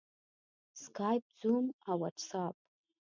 سکایپ، زوم او واټساپ